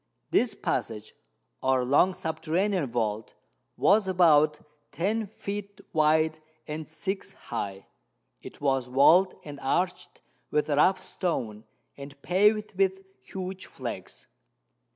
This passage, or long subterranean vault, was about ten feet wide and six high. It was walled and arched with rough stone, and paved with huge flags.